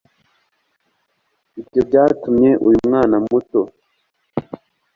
ibyo byatumye uyu mwana muto